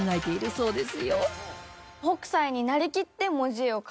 そうです。